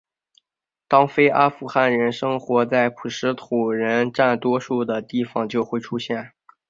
当非阿富汗人生活在普什图人占多数的地方就会出现。